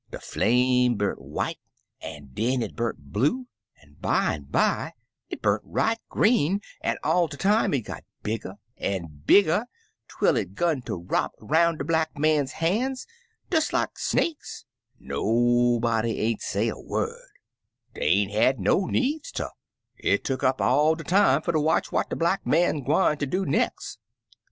De flame burnt white, an* den it burnt blue, an* bimeby it burnt right green, an* all de time it got bigger an* bigger, twel it *gun ter wrop *roim* de Black Man*s han*s des 41 Uncle Remus Returns like snakes. Nobody ain't say a word; dey ain't had no needs ter; it took up all der time fer ter watch what de Black Man gwine ter do nex*.